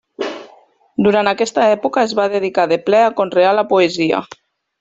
Durant aquesta època es va dedicar de ple a conrear la poesia.